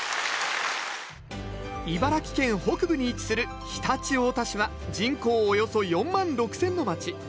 茨城県北部に位置する常陸太田市は人口およそ４万６，０００の街。